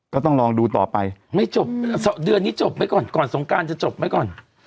ก็ต้องลองดูต่อไปไม่จบเดือนนี้จบไหมก่อนก่อนสงการจะจบไหมก่อน